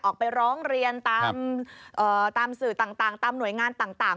ออกไปร้องเรียนตามสื่อต่างตามหน่วยงานต่าง